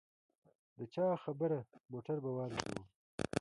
د چا خبره موټر به والوزووم.